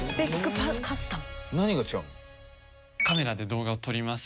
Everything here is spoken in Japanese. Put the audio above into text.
カメラで動画を撮ります。